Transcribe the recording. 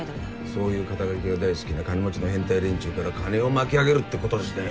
そういう肩書が大好きな金持ちの変態連中から金を巻き上げるってことですね。